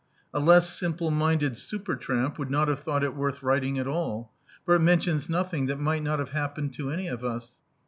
A less simple minded supertramp would not have thou^t it worth writing at all ; for it mentions nothing that might not have happened to any of us.